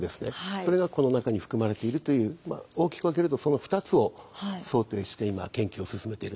それがこの中に含まれているというまあ大きく分けるとその２つを想定して今研究を進めているところです。